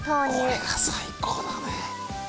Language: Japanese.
これが最高だね。